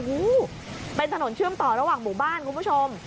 โอ้โหเป็นถนนเชื่อมต่อระหว่างหมู่บ้านคุณผู้ชม